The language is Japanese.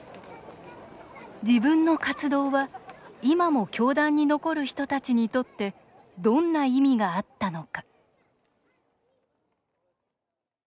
自分の活動は今も教団に残る人たちにとってどんな意味があったのか。